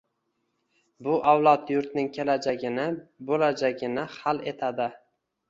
Bu avlod yurtning kelajagini, bo‘lajagini hal etadi